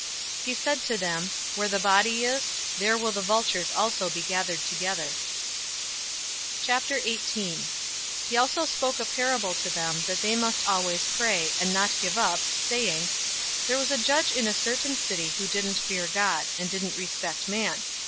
He said to them, "Where the body is, there will the vultures also be gathered together." 018:001 He also spoke a parable to them that they must always pray, and not give up, 018:002 saying, "There was a judge in a certain city who didn't fear God, and didn't respect man.